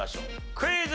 クイズ。